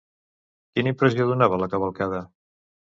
Quina impressió donava la cavalcada?